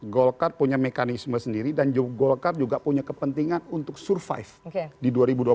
golkar punya mekanisme sendiri dan golkar juga punya kepentingan untuk survive di dua ribu dua puluh